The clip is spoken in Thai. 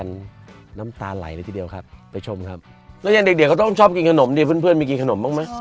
ขนมดีเพื่อนมีกินขนมบ้างมั้ยพี่น้องค่ะ